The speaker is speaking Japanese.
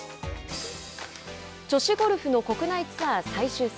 女子ゴルフの国内ツアー最終戦。